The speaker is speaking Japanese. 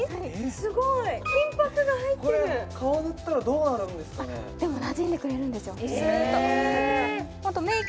すごい金箔が入ってる顔塗ったらどうなるんですかねでもなじんでくれるんですよ